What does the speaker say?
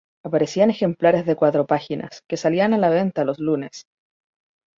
Aparecía en ejemplares de cuatro páginas, que salían a la venta los lunes.